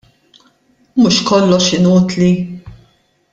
Mhux kollox inutli?